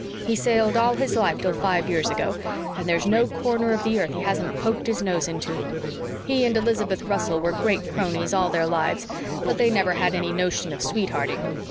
He sailed all his life till five years ago, and there's no corner of the earth he hasn't poked his nose into. He and Elizabeth Russell were great cronies, all their lives, but they never had any notion of sweet hearting.